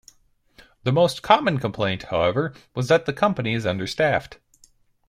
The most common complaint, however, was that the company is understaffed.